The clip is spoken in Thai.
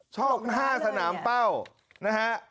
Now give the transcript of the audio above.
ช่อง๕สนามเป้านะฮะ